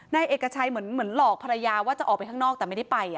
นายเอกชัยเหมือนหลอกภรรยาว่าจะออกไปข้างนอกแต่ไม่ได้ไป